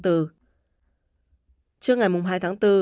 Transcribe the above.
trước ngày hai tháng bốn